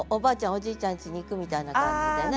おじいちゃんちに行くみたいな感じでね。